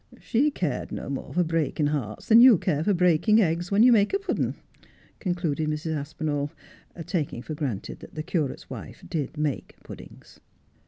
She cared no more for breaking hearts than you care for breaking eggs when you make a puddin', concluded Mrs. Aspinall, taking for granted that the curate's wife did make puddings.